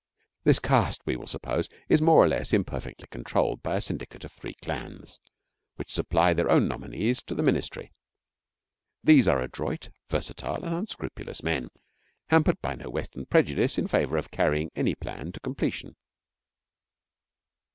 This caste, we will suppose, is more or less imperfectly controlled by a syndicate of three clans, which supply their own nominees to the Ministry. These are adroit, versatile, and unscrupulous men, hampered by no western prejudice in favour of carrying any plan to completion.